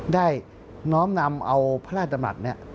ได้น้อมนำเอาพระราชดำรัฐนี้